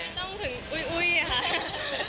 ต้องถึงอุ้ยค่ะ